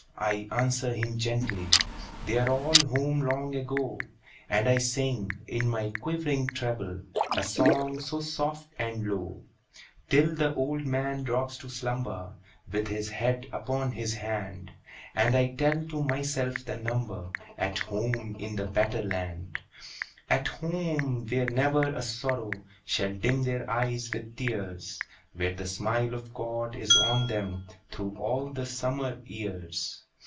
I answer him gently, "They're all home long ago;" And I sing, in my quivering treble, A song so soft and low, Till the old man drops to slumber, With his head upon his hand, And I tell to myself the number At home in the better land. At home, where never a sorrow Shall dim their eyes with tears! Where the smile of God is on them Through all the summer years!